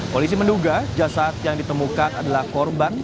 polisi menduga jasad yang ditemukan adalah korban